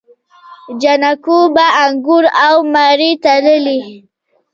جانکو به انګور او مڼې تللې.